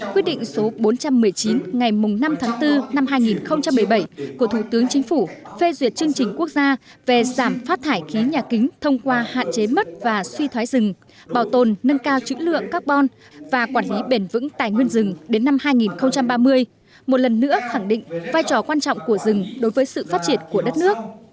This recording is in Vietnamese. quyết định số bốn trăm một mươi chín ngày năm tháng bốn năm hai nghìn một mươi bảy của thủ tướng chính phủ phê duyệt chương trình quốc gia về giảm phát thải khí nhà kính thông qua hạn chế mất và suy thoái rừng bảo tồn nâng cao chữ lượng các bon và quản lý bền vững tài nguyên rừng đến năm hai nghìn ba mươi một lần nữa khẳng định vai trò quan trọng của rừng đối với sự phát triển của đất nước